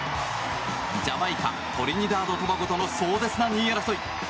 ジャマイカトリニダード・トバゴとの壮絶な２位争い。